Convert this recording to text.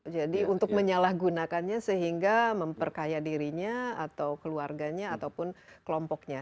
jadi untuk menyalahgunakannya sehingga memperkaya dirinya atau keluarganya ataupun kelompoknya